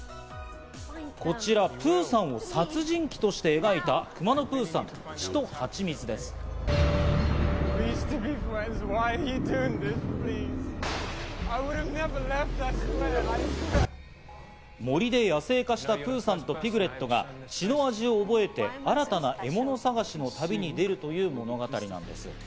こちらプーさんを殺人鬼として描いた『くまのプーさん血と蜂蜜』です。森で野生化したプーさんとピグレットが血の味を覚えて、新たな獲物探しの旅に出るという物語なんです。